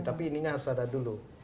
tapi ininya harus ada dulu